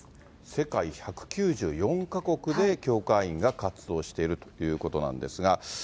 世界１９４か国で教会員が活動しているということなんですが。